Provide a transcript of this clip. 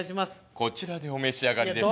こちらでお召し上がりですか？